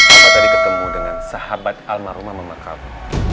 apa tadi ketemu dengan sahabat almarhumah mama kamu